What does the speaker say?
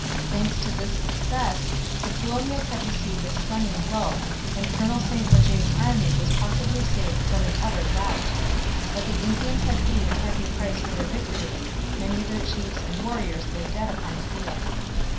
Thanks to this success, the colonials had received a stunning blow, and Colonel St Leger's army was possibly saved from an utter rout. But the Indians had paid a heavy price for their victory; many of their chiefs and warriors lay dead upon the field.